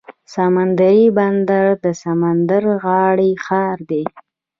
سمندري بندر د سمندر غاړې ښار دی.